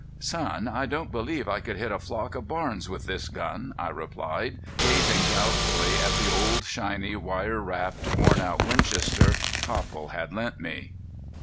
"Son, I don't believe I could hit a flock of barns with this gun," I replied, gazing doubtfully at the old, shiny, wire wrapped, worn out Winchester Copple had lent me.